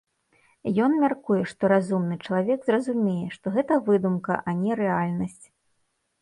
Ён мяркуе, што разумны чалавек зразумее, што гэта выдумка, а не рэальнасць.